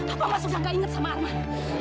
apa mas sudah gak inget sama arman